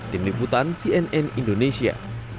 tim liputan cnn indonesia